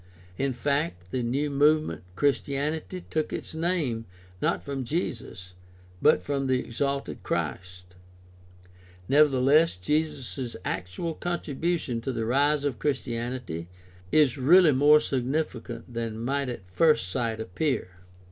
In fact, the new movement "Christianity" took its name, not from Jesus, but from the exalted Christ. Nevertheless Jesus' actual contribution to the rise of Christianity is really more significant than might at first sight appear.